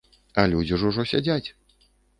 А людзі ж ўжо сядзяць.